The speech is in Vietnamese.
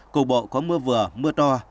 cục bộ có mưa vừa mưa to